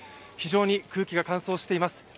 非常に空気が乾燥しています。